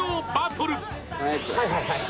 はいはいはい。